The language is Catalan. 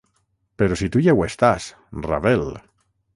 Però si tu ja ho estàs, Ravel!